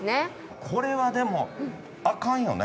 これはでもあかんよね。